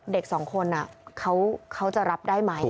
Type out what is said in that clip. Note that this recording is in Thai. เด็กสองคนเขาจะรับได้ไหม